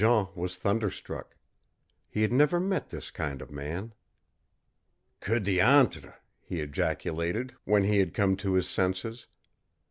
Jean was thunderstruck. He had never met this kind of man. "Que diantre!" he ejaculated, when he had come to his senses.